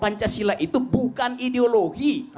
pancasila itu bukan ideologi